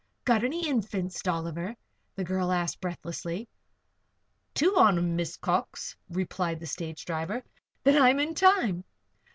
"Got any Infants, Dolliver?" the girl asked, breathlessly. "Two on 'em, Miss Cox," replied the stage driver. "Then I'm in time.